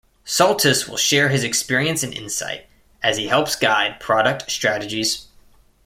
Soltis will share his experience and insight as he helps guide product strategies.